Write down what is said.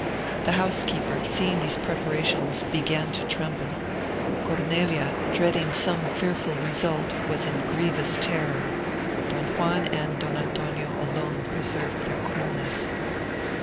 The housekeeper, seeing these preparations began to tremble,—Cornelia, dreading some fearful result was in grievous terror,—Don Juan and Don Antonio alone preserved their coolness.